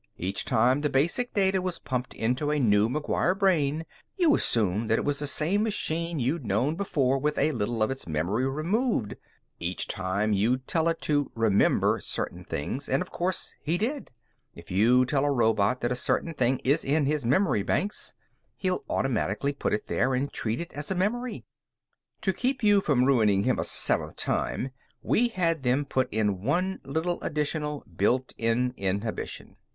Each time the basic data was pumped into a new McGuire brain, you assumed that it was the same machine you'd known before with a little of its memory removed. Each time, you'd tell it to 'remember' certain things, and, of course, he did. If you tell a robot that a certain thing is in his memory banks, he'll automatically put it there and treat it as a memory. "To keep you from ruining him a seventh time, we had them put in one little additional built in inhibition.